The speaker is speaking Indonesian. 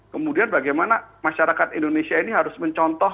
kemudian bagaimana masyarakat indonesia ini harus mencontoh